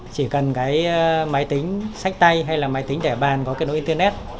chỉ cần cái máy tính sách tay hay là máy tính để bàn có kết nối internet